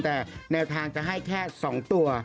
แต่แนวทางจะให้แค่๒ตัว